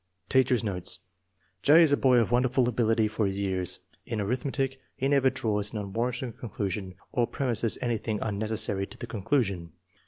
Teacher's notes. " J. is a boy of wonderful ability for his years. In arithmetic he never draws an un warranted conclusion or premises anything unneces sary to the conclusion."